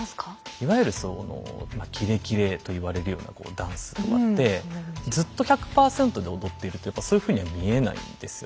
いわゆるそのまあキレキレと言われるようなダンスとかってずっと１００％で踊っているとやっぱそういうふうには見えないんですよね。